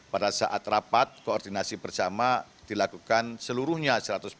pada saat rapat koordinasi bersama dilakukan seluruhnya